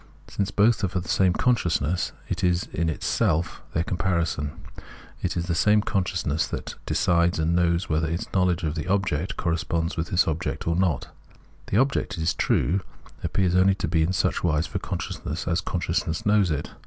Since both are for the same consciousness, it is itself their comparison; it is the same consciousness that decides and knows whether its knowledge of the object corresponds with this object or not. The object, it is true, appears only to be in such wise for consciousness as consciousness knows it.